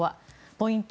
ポイント